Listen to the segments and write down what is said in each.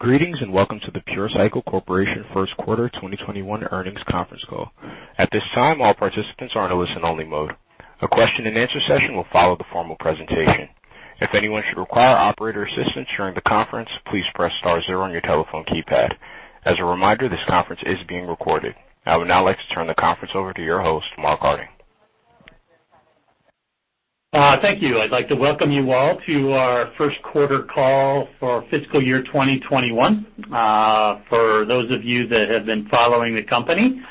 Greetings, and welcome to the Pure Cycle Corporation First Quarter 2021 earnings conference call. At this time, all participants are in a listen-only mode. A question and answer session will follow the formal presentation. If anyone should require operator assistance during the conference, please press star zero on your telephone keypad. As a reminder, this conference is being recorded. I would now like to turn the conference over to your host, Mark Harding. Thank you. I'd like to Welcome you all to our first quarter call for fiscal year 2021. For those of you that have been following the company,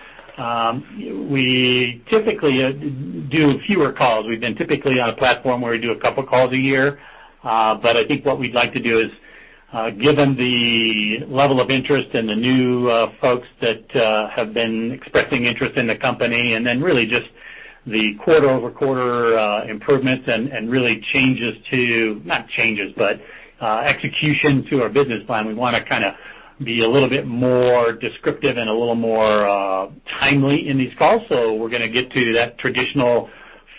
we typically do fewer calls. We've been typically on a platform where we do a couple of calls a year. I think what we'd like to do is, given the level of interest and the new folks that have been expressing interest in the company, and then really just the quarter-over-quarter improvements and really not changes, but execution to our business plan. We want to be a little bit more descriptive and a little more timely in these calls. We're going to get to that traditional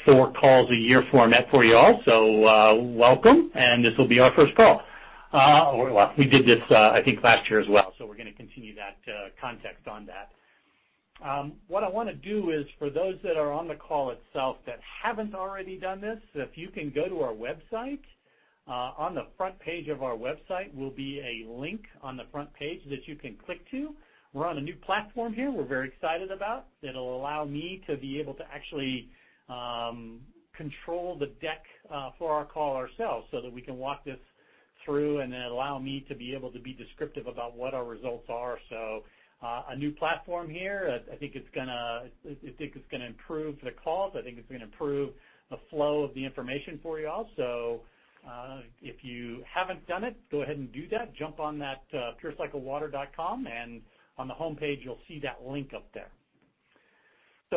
four calls a year format for you all. Welcome, and this will be our first call. We did this I think last year as well. We're going to continue that context on that. What I want to do is for those that are on the call itself that haven't already done this, if you can go to our website. On the front page of our website will be a link on the front page that you can click to. We're on a new platform here. We're very excited about that'll allow me to be able to actually control the deck for our call ourselves so that we can walk this through and then allow me to be able to be descriptive about what our results are. A new platform here. I think it's going to improve the calls. I think it's going to improve the flow of the information for you all. If you haven't done it, go ahead and do that. Jump on that purecyclewater.com, and on the homepage, you'll see that link up there.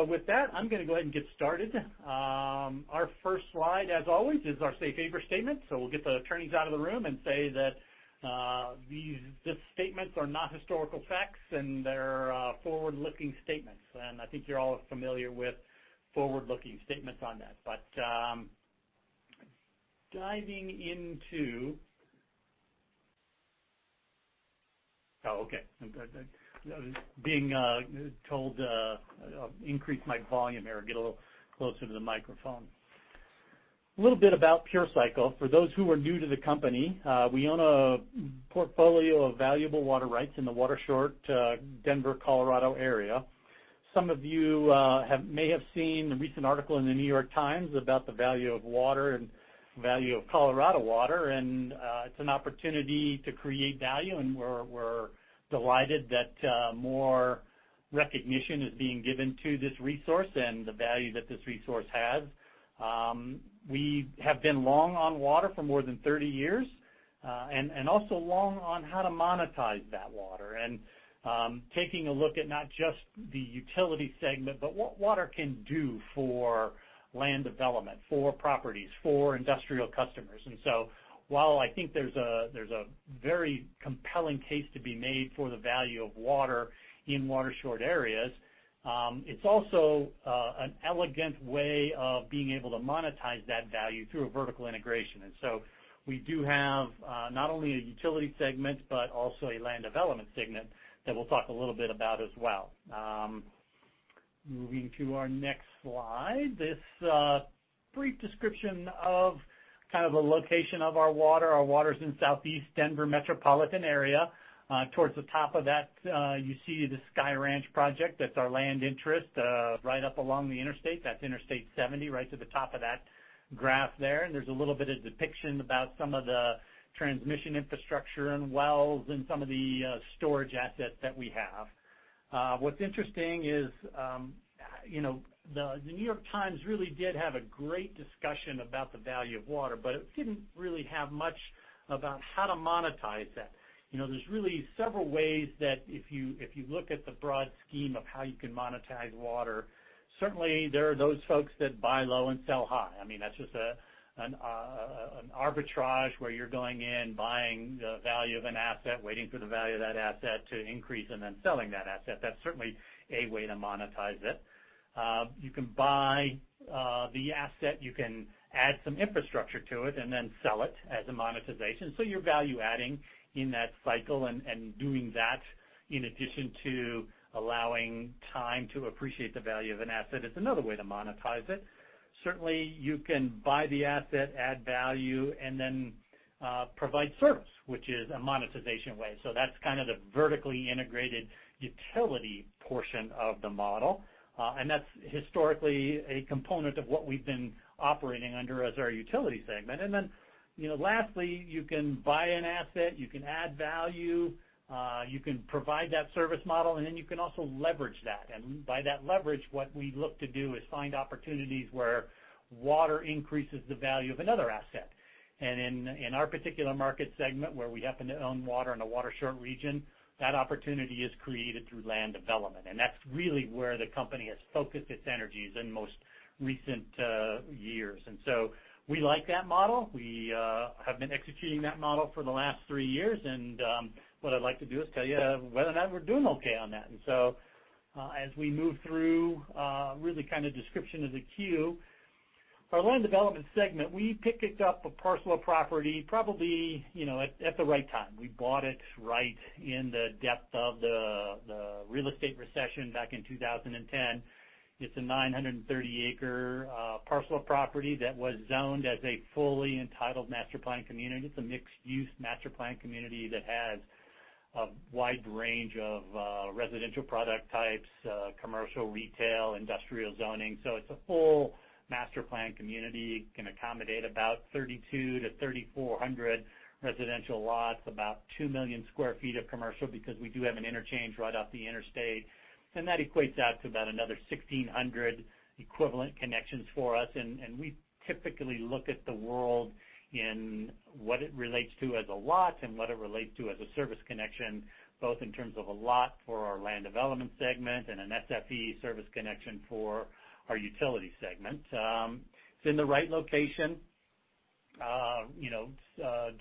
With that, I'm going to go ahead and get started. Our first slide, as always, is our safe harbor statement. We'll get the attorneys out of the room and say that these statements are not historical facts and they're forward-looking statements. I think you're all familiar with forward-looking statements on that. I was being told increase my volume here, get a little closer to the microphone. A little bit about Pure Cycle. For those who are new to the company, we own a portfolio of valuable water rights in the water-short Denver, Colorado area. Some of you may have seen a recent article in "The New York Times" about the value of water and value of Colorado water. It's an opportunity to create value. We're delighted that more recognition is being given to this resource and the value that this resource has. We have been long on water for more than 30 years. Also long on how to monetize that water. Taking a look at not just the utility segment, but what water can do for land development, for properties, for industrial customers. While I think there's a very compelling case to be made for the value of water in water-short areas, it's also an elegant way of being able to monetize that value through a vertical integration. We do have not only a utility segment, but also a land development segment that we'll talk a little bit about as well. Moving to our next slide, this brief description of the location of our water. Our water's in Southeast Denver Metropolitan Area. Towards the top of that, you see the Sky Ranch project. That's our land interest right up along the interstate. That's Interstate 70, right to the top of that graph there. There's a little bit of depiction about some of the transmission infrastructure and wells and some of the storage assets that we have. What's interesting is "The New York Times" really did have a great discussion about the value of water, but it didn't really have much about how to monetize that. There's really several ways that if you look at the broad scheme of how you can monetize water, certainly there are those folks that buy low and sell high. That's just an arbitrage where you're going in, buying the value of an asset, waiting for the value of that asset to increase, and then selling that asset. That's certainly a way to monetize it. You can buy the asset, you can add some infrastructure to it, and then sell it as a monetization. You're value-adding in that cycle and doing that in addition to allowing time to appreciate the value of an asset is another way to monetize it. Certainly, you can buy the asset, add value, and then provide service, which is a monetization way. That's the vertically integrated utility portion of the model. That's historically a component of what we've been operating under as our utility segment. Lastly, you can buy an asset, you can add value, you can provide that service model, and then you can also leverage that. By that leverage, what we look to do is find opportunities where water increases the value of another asset. In our particular market segment where we happen to own water in a water-short region, that opportunity is created through land development, and that's really where the company has focused its energies in most recent years. We like that model. We have been executing that model for the last three years, and what I'd like to do is tell you whether or not we're doing okay on that. As we move through really kind of description of the Q. Our land development segment, we picked up a parcel of property probably at the right time. We bought it right in the depth of the real estate recession back in 2010. It's a 930 acre parcel of property that was zoned as a fully entitled master-planned community. It's a mixed-use master-planned community that has a wide range of residential product types, commercial retail, industrial zoning. It's a full master-planned community. It can accommodate about 3,200 residential lots-3,400 residential lots, about 2 million square feet of commercial because we do have an interchange right off the interstate, and that equates out to about another 1,600 equivalent connections for us. We typically look at the world in what it relates to as a lot and what it relates to as a service connection, both in terms of a lot for our land development segment and an SFE service connection for our utility segment. It's in the right location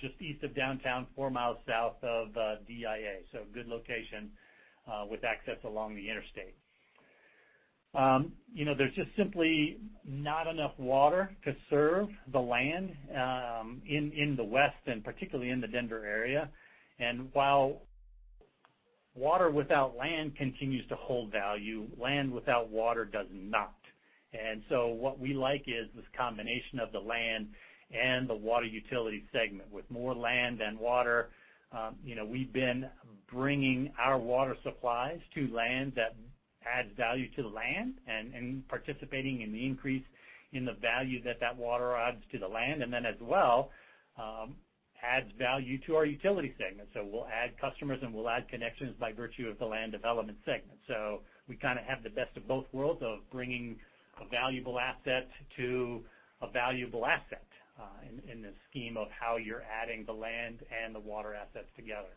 just east of downtown, four miles south of DIA. A good location with access along the interstate. There's just simply not enough water to serve the land in the West and particularly in the Denver area. While water without land continues to hold value, land without water does not. What we like is this combination of the land and the water utility segment with more land than water. We've been bringing our water supplies to land that adds value to the land and participating in the increase in the value that that water adds to the land and then as well adds value to our utility segment. We'll add customers and we'll add connections by virtue of the land development segment. We kind of have the best of both worlds of bringing a valuable asset to a valuable asset in the scheme of how you're adding the land and the water assets together.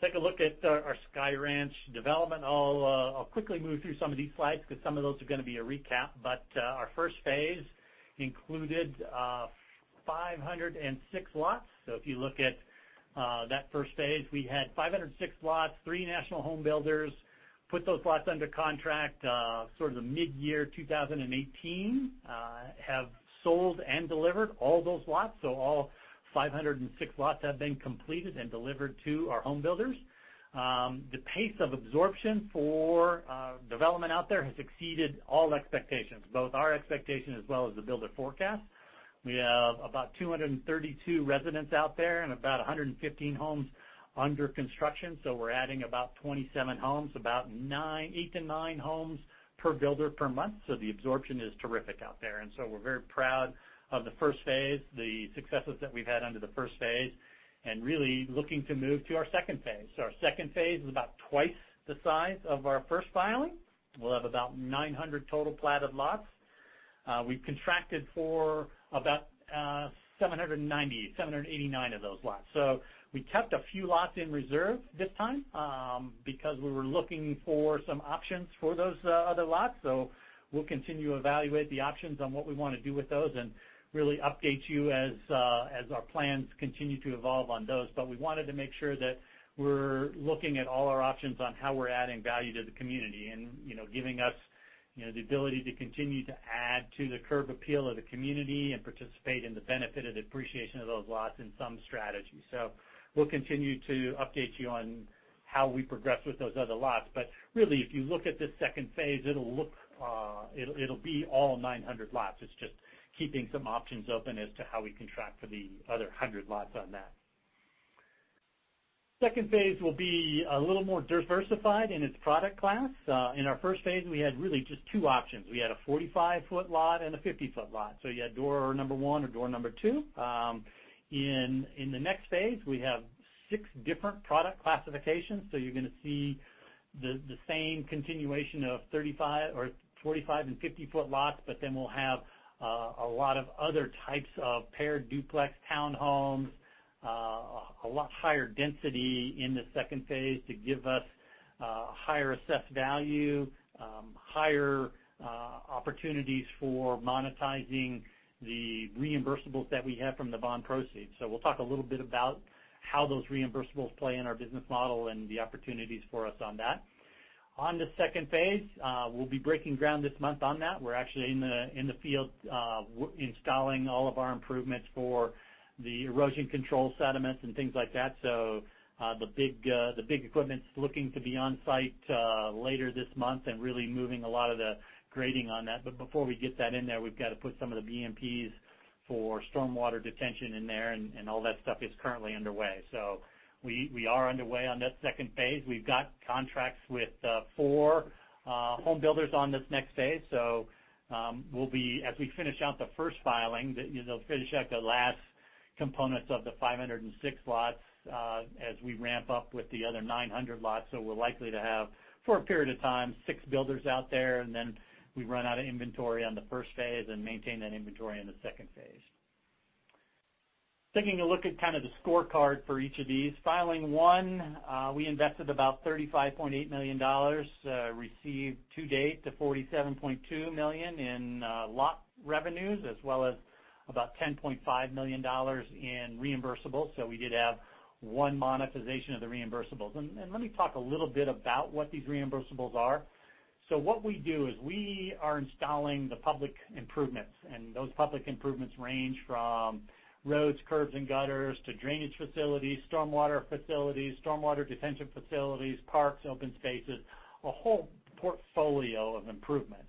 Take a look at our Sky Ranch development. I'll quickly move through some of these slides because some of those are going to be a recap. Our first phase included 506 lots. If you look at that first phase, we had 506 lots, three national home builders put those lots under contract sort of the mid-year 2018 have sold and delivered all those lots. All 506 lots have been completed and delivered to our home builders. The pace of absorption for development out there has exceeded all expectations, both our expectation as well as the builder forecast. We have about 232 residents out there and about 115 homes under construction. We're adding about 27 homes, about eight to nine homes per builder per month. The absorption is terrific out there. We're very proud of the first phase, the successes that we've had under the first phase and really looking to move to our second phase. Our second phase is about twice the size of our first filing. We'll have about 900 total platted lots. We've contracted for about 789 of those lots. We kept a few lots in reserve this time because we were looking for some options for those other lots. We'll continue to evaluate the options on what we want to do with those and really update you as our plans continue to evolve on those. We wanted to make sure that we're looking at all our options on how we're adding value to the community and giving us the ability to continue to add to the curb appeal of the community and participate in the benefit of the appreciation of those lots in some strategy. We'll continue to update you on how we progress with those other lots. Really if you look at this second phase, it'll be all 900 lots. It's just keeping some options open as to how we contract for the other 100 lots on that. Second phase will be a little more diversified in its product class. In our first phase, we had really just two options. We had a 45 ft lot and a 50 ft lot. You had door number one or door number two. In the next phase, we have six different product classifications. You're going to see the same continuation of 35 ft or 45 ft and 50 ft lots, we'll have a lot of other types of paired duplex townhomes a lot higher density in the second phase to give us a higher assessed value, higher opportunities for monetizing the reimbursables that we have from the bond proceeds. We'll talk a little bit about how those reimbursables play in our business model and the opportunities for us on that. On the second phase, we'll be breaking ground this month on that. We're actually in the field installing all of our improvements for the erosion control sediments and things like that. The big equipment's looking to be on site later this month and really moving a lot of the grading on that. Before we get that in there, we've got to put some of the BMPs for stormwater detention in there and all that stuff is currently underway. We are underway on that second phase. We've got contracts with four home builders on this next phase. As we finish out the first filing, they'll finish out the last components of the 506 lots as we ramp up with the other 900 lots. We're likely to have, for a period of time, six builders out there and then we run out of inventory on the first phase and maintain that inventory in the second phase. Taking a look at kind of the scorecard for each of these. Filing one, we invested about $35.8 million, received to date to $47.2 million in lot revenues as well as about $10.5 million in reimbursables. We did have one monetization of the reimbursables. Let me talk a little bit about what these reimbursables are. What we do is we are installing the public improvements, and those public improvements range from roads, curbs, and gutters to drainage facilities, stormwater facilities, stormwater detention facilities, parks, open spaces, a whole portfolio of improvements.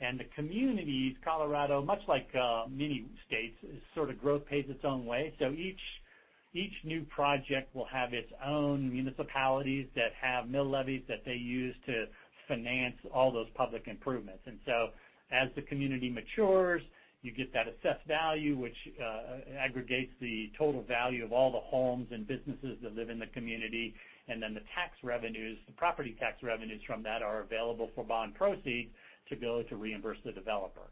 The communities, Colorado, much like many states, is sort of growth pays its own way. Each new project will have its own municipalities that have mill levies that they use to finance all those public improvements. As the community matures, you get that assessed value, which aggregates the total value of all the homes and businesses that live in the community, and then the tax revenues, the property tax revenues from that are available for bond proceeds to go to reimburse the developer.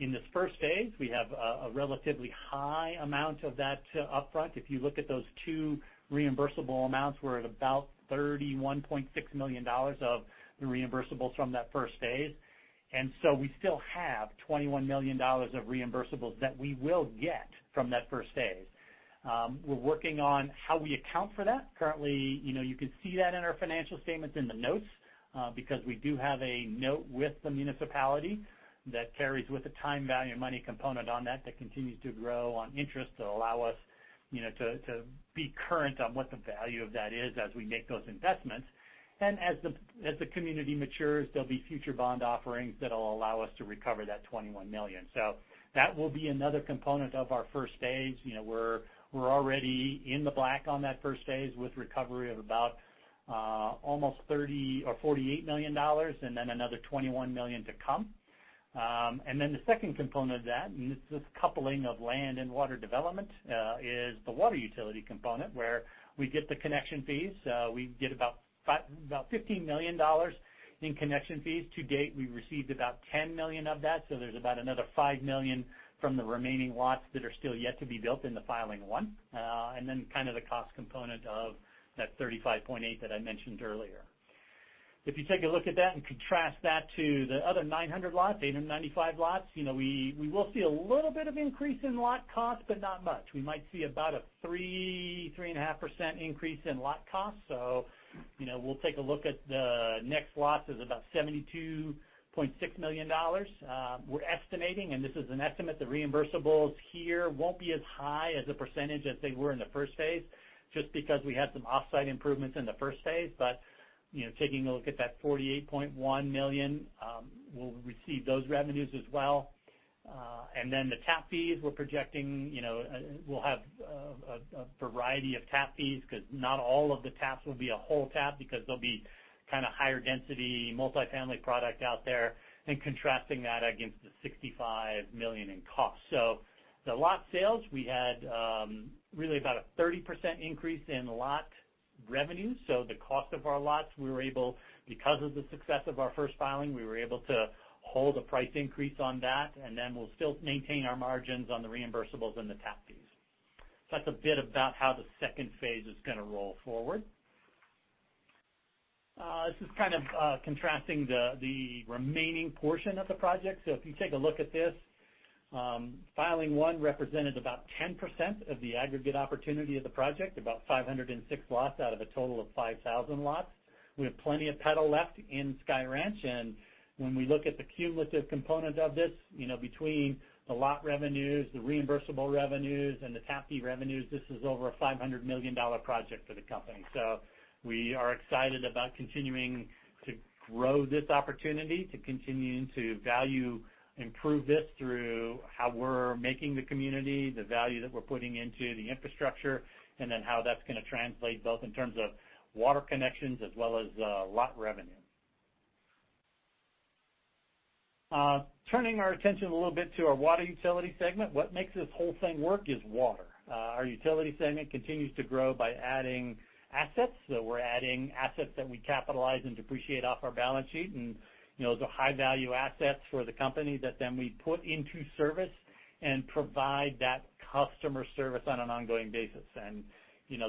In this first phase, we have a relatively high amount of that upfront. If you look at those two reimbursable amounts, we're at about $31.6 million of the reimbursables from that first phase. We still have $21 million of reimbursables that we will get from that first phase. We're working on how we account for that. Currently, you can see that in our financial statements in the notes because we do have a note with the municipality that carries with the time value of money component on that that continues to grow on interest to allow us to be current on what the value of that is as we make those investments. As the community matures, there'll be future bond offerings that'll allow us to recover that $21 million. That will be another component of our first phase. We're already in the black on that first phase with recovery of about almost $30 million or $48 million, and then another $21 million to come. Then the second component of that, and this coupling of land and water development is the water utility component, where we get the connection fees. We get about $15 million in connection fees. To date, we've received about $10 million of that. There's about another $5 million from the remaining lots that are still yet to be built in the filing one. Then kind of the cost component of that $35.8 that I mentioned earlier. If you take a look at that and contrast that to the other 900 lots, 895 lots, we will see a little bit of increase in lot cost, but not much. We might see about a 3%, 3.5% increase in lot cost. We'll take a look at the next lot is about $72.6 million. We're estimating, and this is an estimate, the reimbursables here won't be as high as a percentage as they were in the first phase, just because we had some offsite improvements in the first phase. Taking a look at that $48.1 million, we'll receive those revenues as well. The tap fees we're projecting, we'll have a variety of tap fees because not all of the taps will be a whole tap because there'll be kind of higher density, multi-family product out there, and contrasting that against the $65 million in cost. The lot sales, we had really about a 30% increase in lot revenue. The cost of our lots, because of the success of our first filing, we were able to hold a price increase on that, and then we'll still maintain our margins on the reimbursables and the tap fees. That's a bit about how the second phase is going to roll forward. This is kind of contrasting the remaining portion of the project. If you take a look at this, filing one represented about 10% of the aggregate opportunity of the project, about 506 lots out of a total of 5,000 lots. We have plenty of pedal left in Sky Ranch, and when we look at the cumulative component of this, between the lot revenues, the reimbursable revenues, and the tap fee revenues, this is over a $500 million project for the company. We are excited about continuing to grow this opportunity, to continuing to value improve this through how we're making the community, the value that we're putting into the infrastructure, and then how that's going to translate both in terms of water connections as well as lot revenue. Turning our attention a little bit to our water utility segment, what makes this whole thing work is water. Our utility segment continues to grow by adding assets. We're adding assets that we capitalize and depreciate off our balance sheet, those are high-value assets for the company that we put into service and provide that customer service on an ongoing basis.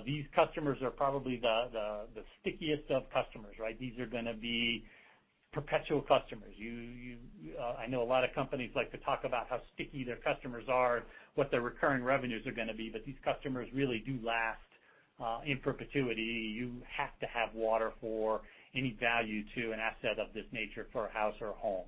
These customers are probably the stickiest of customers, right? These are going to be perpetual customers. I know a lot of companies like to talk about how sticky their customers are and what their recurring revenues are going to be, but these customers really do last in perpetuity. You have to have water for any value to an asset of this nature for a house or a home.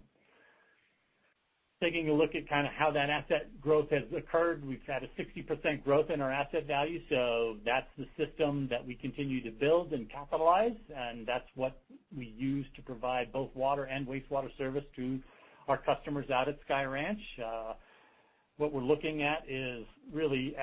Taking a look at kind of how that asset growth has occurred, we've had a 60% growth in our asset value, so that's the system that we continue to build and capitalize, and that's what we use to provide both water and wastewater service to our customers out at Sky Ranch. What we're looking at is really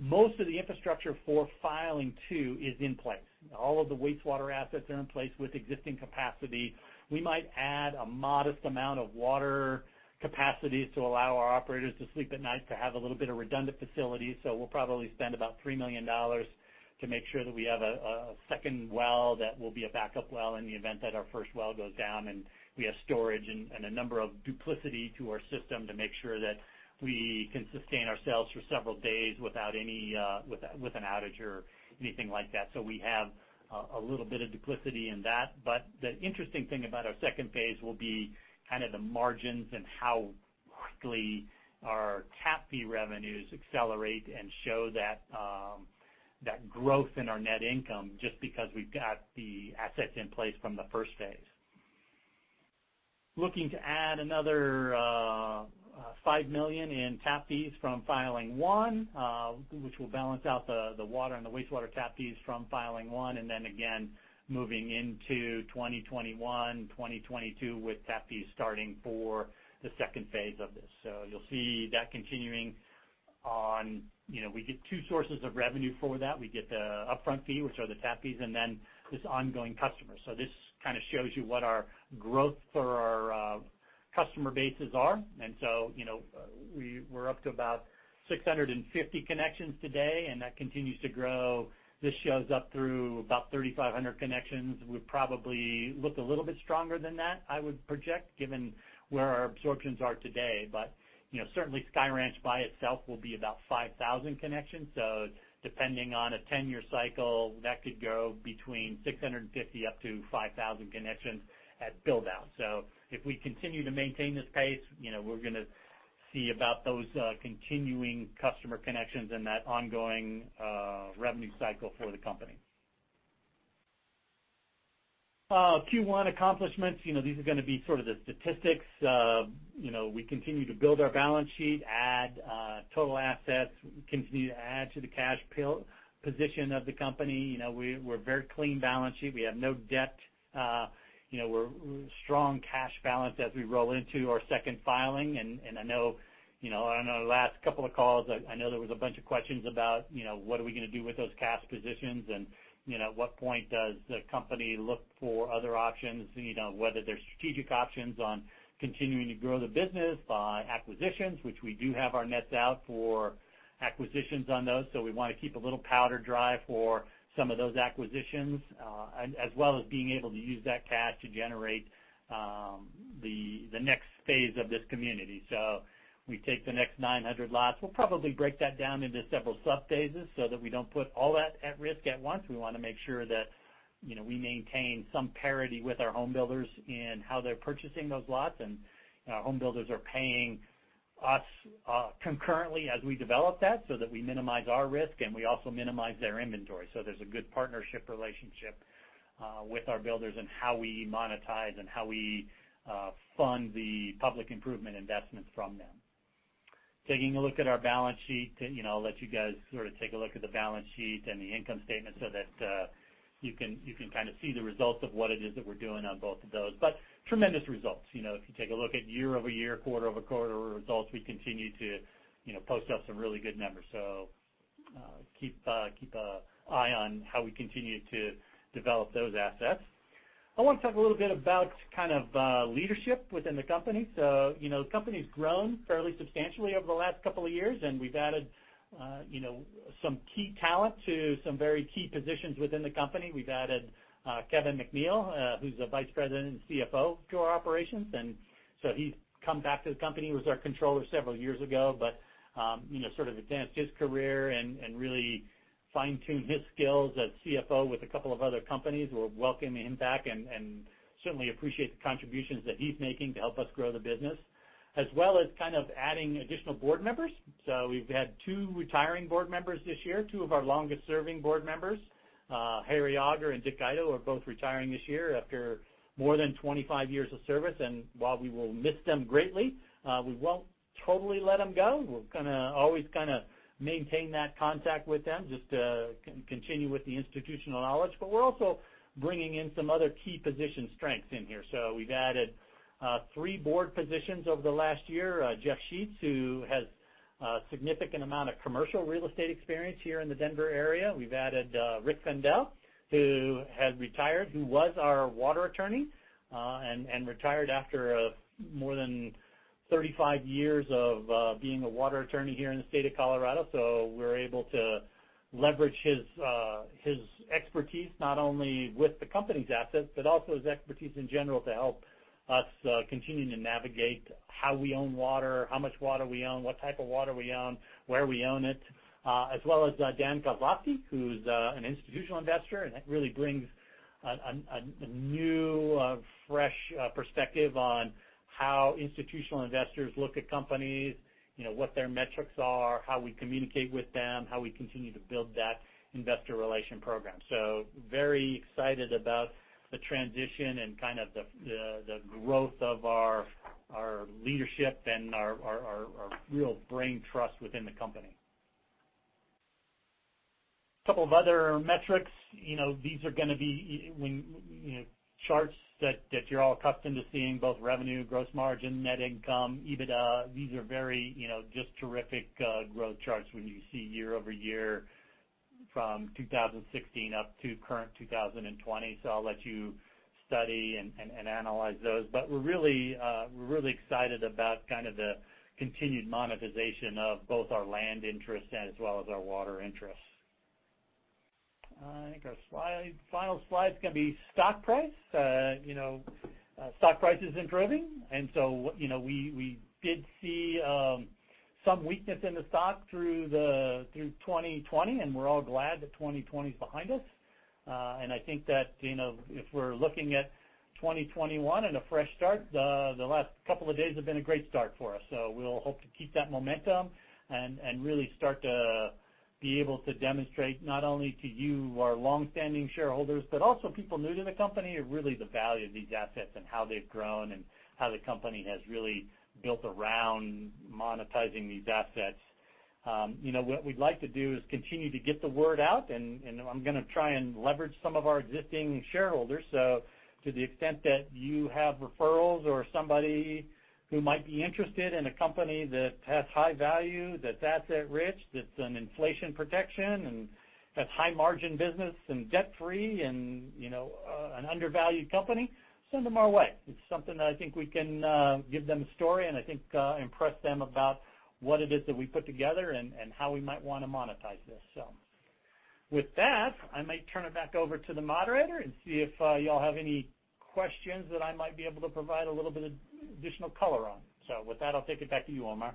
Most of the infrastructure for filing two is in place. All of the wastewater assets are in place with existing capacity. We might add a modest amount of water capacity to allow our operators to sleep at night, to have a little bit of redundant facility. We'll probably spend about $3 million to make sure that we have a second well that will be a backup well in the event that our first well goes down, and we have storage and a number of duplicity to our system to make sure that we can sustain ourselves for several days with an outage or anything like that. We have a little bit of duplicity in that. The interesting thing about our second phase will be kind of the margins and how actually our tap fee revenues accelerate and show that growth in our net income, just because we've got the assets in place from the first phase. Looking to add another $5 million in tap fees from filing one, which will balance out the water and the wastewater tap fees from filing one. Again, moving into 2021, 2022, with tap fees starting for the second phase of this. You'll see that continuing on. We get two sources of revenue for that. We get the upfront fee, which are the tap fees, and then this ongoing customer. This kind of shows you what our growth for our customer bases are. We were up to about 650 connections today, and that continues to grow. This shows up through about 3,500 connections. We probably look a little bit stronger than that, I would project, given where our absorptions are today. Certainly Sky Ranch by itself will be about 5,000 connections. Depending on a 10-year cycle, that could go between 650 up to 5,000 connections at build out. If we continue to maintain this pace, we're going to see about those continuing customer connections and that ongoing revenue cycle for the company. Q1 accomplishments. These are going to be sort of the statistics. We continue to build our balance sheet, add total assets, continue to add to the cash position of the company. We're a very clean balance sheet. We have no debt. We're strong cash balance as we roll into our second filing, and I know on our last couple of calls, I know there was a bunch of questions about what are we going to do with those cash positions, and at what point does the company look for other options, whether they're strategic options on continuing to grow the business by acquisitions, which we do have our nets out for acquisitions on those. We want to keep a little powder dry for some of those acquisitions, as well as being able to use that cash to generate the next phase of this community. We take the next 900 lots. We'll probably break that down into several sub-phases so that we don't put all that at risk at once. We want to make sure that we maintain some parity with our home builders in how they're purchasing those lots, and home builders are paying us concurrently as we develop that so that we minimize our risk, and we also minimize their inventory. There's a good partnership relationship with our builders in how we monetize and how we fund the public improvement investments from them. Taking a look at our balance sheet. I'll let you guys sort of take a look at the balance sheet and the income statement so that you can kind of see the results of what it is that we're doing on both of those. Tremendous results. If you take a look at year-over-year, quarter-over-quarter results, we continue to post up some really good numbers. Keep an eye on how we continue to develop those assets. I want to talk a little bit about kind of leadership within the company. The company's grown fairly substantially over the last couple of years, and we've added some key talent to some very key positions within the company. We've added Kevin McNeill, who's the Vice President and CFO to our operations. He's come back to the company. He was our controller several years ago, but sort of advanced his career and really fine-tuned his skills as CFO with a couple of other companies. We welcome him back and certainly appreciate the contributions that he's making to help us grow the business, as well as kind of adding additional board members. We've had two retiring board members this year, two of our longest-serving board members. Harry Augur and Dick Guido are both retiring this year after more than 25 years of service. While we will miss them greatly, we won't totally let them go. We're going to always kind of maintain that contact with them just to continue with the institutional knowledge. We're also bringing in some other key position strengths in here. We've added three board positions over the last year. Jeff Sheets, who has a significant amount of commercial real estate experience here in the Denver area. We've added Rick Fendel, who had retired, who was our water attorney, and retired after more than 35 years of being a water attorney here in the state of Colorado. We're able to leverage his expertise, not only with the company's assets, but also his expertise in general to help us continue to navigate how we own water, how much water we own, what type of water we own, where we own it. As well as Dan Kozlowski, who's an institutional investor. That really brings a new, fresh perspective on how institutional investors look at companies, what their metrics are, how we communicate with them, how we continue to build that investor relation program. Very excited about the transition and kind of the growth of our leadership and our real brain trust within the company. Couple of other metrics. These are going to be charts that you're all accustomed to seeing, both revenue, gross margin, net income, EBITDA. These are very just terrific growth charts when you see year-over-year from 2016 up to current 2020. I'll let you study and analyze those. We're really excited about kind of the continued monetization of both our land interest and as well as our water interests. I think our final slide's going to be stock price. Stock price has been driving. We did see some weakness in the stock through 2020, and we're all glad that 2020 is behind us. I think that if we're looking at 2021 and a fresh start, the last couple of days have been a great start for us. We'll hope to keep that momentum and really start to be able to demonstrate not only to you, our longstanding shareholders, but also people new to the company, really the value of these assets and how they've grown and how the company has really built around monetizing these assets. What we'd like to do is continue to get the word out, and I'm going to try and leverage some of our existing shareholders. To the extent that you have referrals or somebody who might be interested in a company that has high value, that's asset rich, that's an inflation protection and has high margin business and debt-free and an undervalued company, send them our way. It's something that I think we can give them a story and I think impress them about what it is that we put together and how we might want to monetize this. With that, I might turn it back over to the moderator and see if you all have any questions that I might be able to provide a little bit of additional color on. With that, I'll take it back to you, Omar.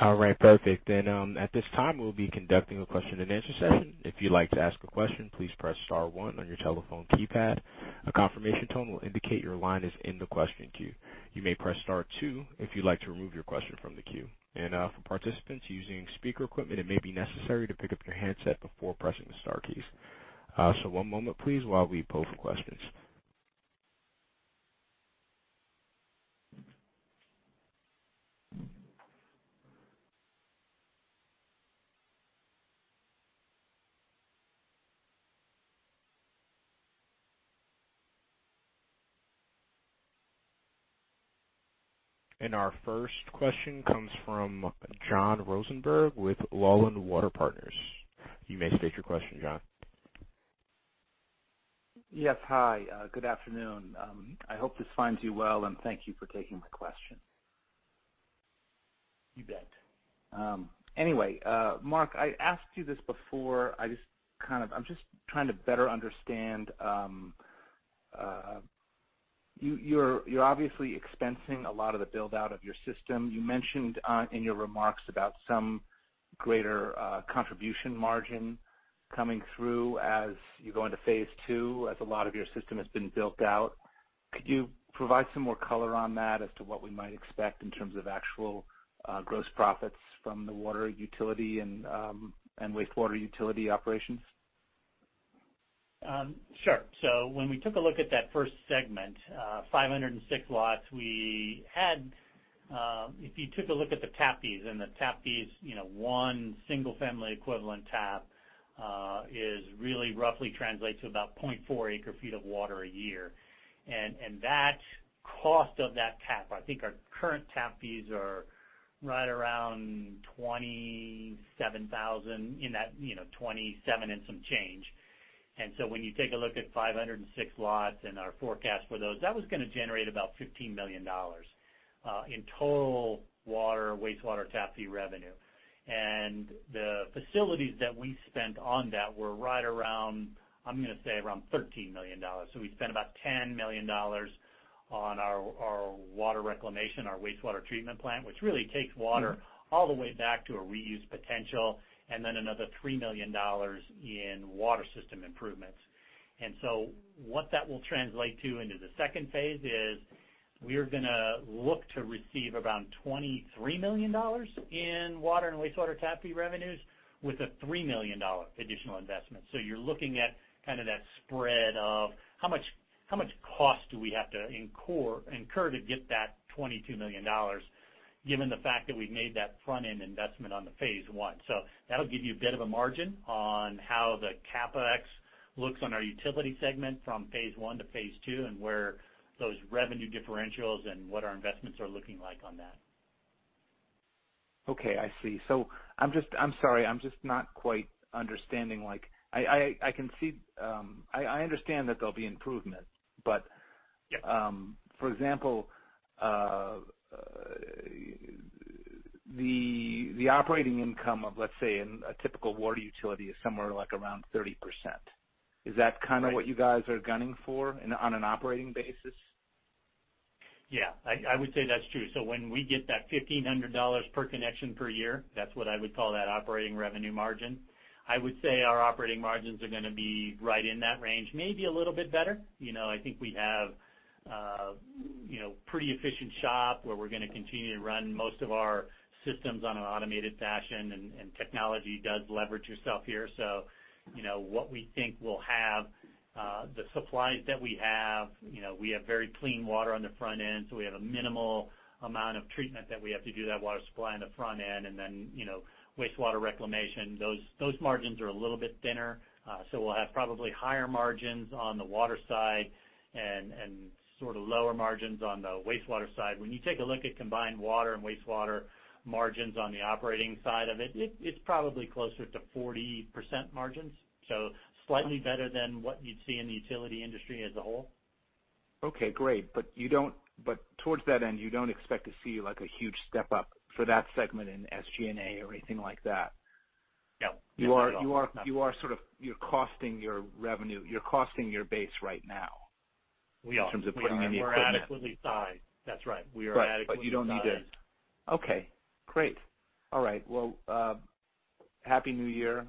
All right, perfect. At this time, we'll be conducting a question and answer session. If you'd like to ask a question, please press star one on your telephone keypad. A confirmation tone will indicate your line is in the question queue. You may press star two if you'd like to remove your question from the queue. For participants using speaker equipment, it may be necessary to pick up your handset before pressing the star keys. One moment, please, while we pull for questions. Our first question comes from John Rosenberg with Loughlin Water Partners. You may state your question, John. Yes. Hi, good afternoon. I hope this finds you well, and thank you for taking the question. You bet. Anyway, Mark, I asked you this before. I'm just trying to better understand. You're obviously expensing a lot of the build-out of your system. You mentioned in your remarks about some greater contribution margin coming through as you go into phase II as a lot of your system has been built out. Could you provide some more color on that as to what we might expect in terms of actual gross profits from the water utility and wastewater utility operations? Sure. When we took a look at that first segment, 506 lots, if you took a look at the tap fees and the tap fees, one single-family equivalent tap really roughly translates to about 0.4 acre-feet of water a year. That cost of that tap, I think our current tap fees are right around $27,000, in that $27 and some change. When you take a look at 506 lots and our forecast for those, that was going to generate about $15 million in total water, wastewater tap fee revenue. The facilities that we spent on that were right around, I'm going to say around $13 million. We spent about $10 million on our water reclamation, our wastewater treatment plant, which really takes water all the way back to a reuse potential, and then another $3 million in water system improvements. What that will translate to into the second phase is we're going to look to receive around $23 million in water and wastewater tap fee revenues with a $3 million additional investment. You're looking at kind of that spread of how much cost do we have to incur to get that $22 million, given the fact that we've made that front-end investment on the phase I. That'll give you a bit of a margin on how the CapEx looks on our utility segment from phase I to phase II and where those revenue differentials and what our investments are looking like on that. Okay, I see. I'm sorry, I'm just not quite understanding. I understand that there'll be improvement. Yeah. For example, the operating income of, let's say, a typical water utility is somewhere like around 30%. Is that kind of what you guys are gunning for on an operating basis? Yeah, I would say that's true. When we get that $1,500 per connection per year, that's what I would call that operating revenue margin. I would say our operating margins are going to be right in that range, maybe a little bit better. I think we have a pretty efficient shop where we're going to continue to run most of our systems in an automated fashion, and technology does leverage yourself here. What we think we'll have, the supplies that we have, we have very clean water on the front end, so we have a minimal amount of treatment that we have to do that water supply on the front end. Wastewater reclamation, those margins are a little bit thinner. We'll have probably higher margins on the water side and sort of lower margins on the wastewater side. When you take a look at combined water and wastewater margins on the operating side of it's probably closer to 40% margins. Slightly better than what you'd see in the utility industry as a whole. Okay, great. Towards that end, you don't expect to see a huge step-up for that segment in SG&A or anything like that? No. You are sort of costing your revenue, you're costing your base right now. We are. In terms of putting in the equipment. We're adequately sized. That's right. We are adequately sized. Right. Okay, great. All right. Well, Happy New Year.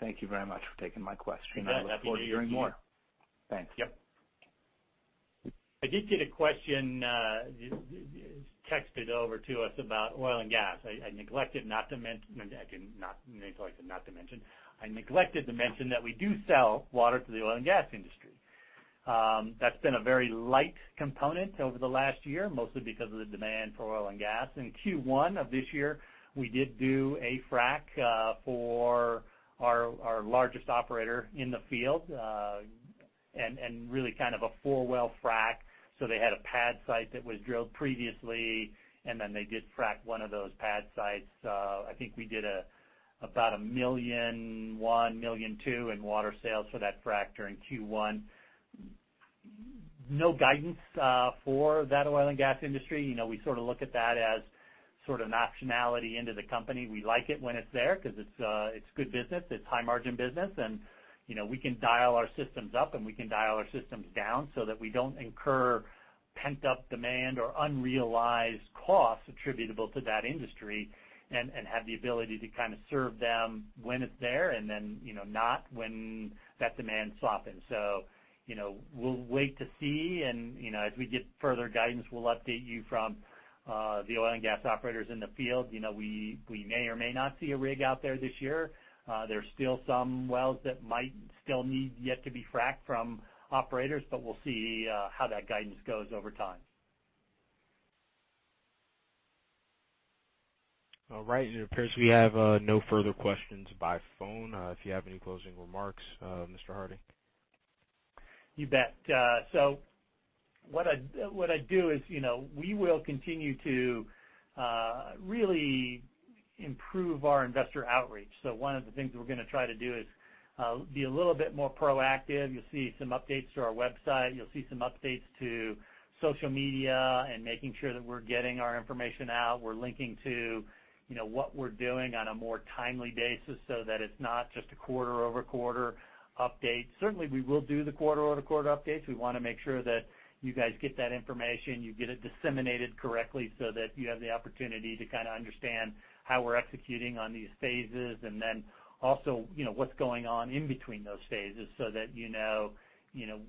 Thank you very much for taking my question. You bet. Happy New Year to you. I look forward to hearing more. Thanks. Yep. I did get a question, texted over to us about oil and gas. I neglected to mention that we do sell water to the oil and gas industry. That's been a very light component over the last year, mostly because of the demand for oil and gas. In Q1 of this year, we did do a frack for our largest operator in the field, and really kind of a four-well frack. They had a pad site that was drilled previously, and then they did frack one of those pad sites. I think we did about $1.1 million-$1.2 million in water sales for that frack during Q1. No guidance for that oil and gas industry. We sort of look at that as sort of an optionality into the company. We like it when it's there because it's good business, it's high margin business, and we can dial our systems up and we can dial our systems down so that we don't incur pent-up demand or unrealized costs attributable to that industry, and have the ability to kind of serve them when it's there and then not when that demand softens. We'll wait to see and as we get further guidance, we'll update you from the oil and gas operators in the field. We may or may not see a rig out there this year. There's still some wells that might still need yet to be fracked from operators, but we'll see how that guidance goes over time. All right. It appears we have no further questions by phone. If you have any closing remarks, Mr. Harding? You bet. What I do is, we will continue to really improve our investor outreach. One of the things we're going to try to do is be a little bit more proactive. You'll see some updates to our website, you'll see some updates to social media and making sure that we're getting our information out. We're linking to what we're doing on a more timely basis so that it's not just a quarter-over-quarter update. Certainly, we will do the quarter-over-quarter updates. We want to make sure that you guys get that information, you get it disseminated correctly so that you have the opportunity to kind of understand how we're executing on these phases. What's going on in between those phases so that you know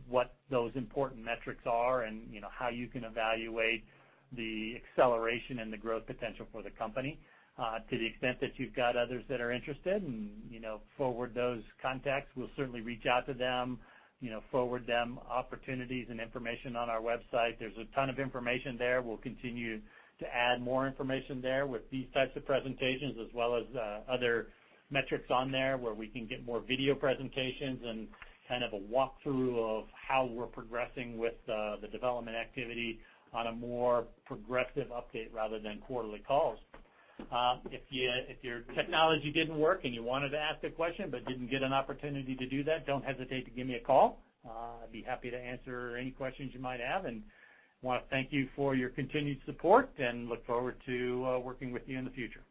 what those important metrics are and how you can evaluate the acceleration and the growth potential for the company. To the extent that you've got others that are interested and forward those contacts, we'll certainly reach out to them, forward them opportunities and information on our website. There's a ton of information there. We'll continue to add more information there with these types of presentations, as well as other metrics on there where we can get more video presentations and kind of a walkthrough of how we're progressing with the development activity on a more progressive update rather than quarterly calls. If your technology didn't work and you wanted to ask a question but didn't get an opportunity to do that, don't hesitate to give me a call. I'd be happy to answer any questions you might have, and want to thank you for your continued support and look forward to working with you in the future.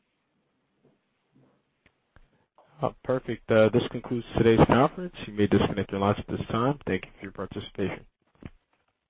Perfect. This concludes today's conference. You may disconnect your lines at this time. Thank you for your participation.